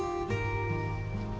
disaat itu disaat itu